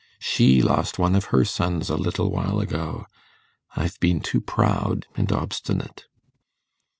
She lost one of her sons a little while ago. I've been too proud and obstinate.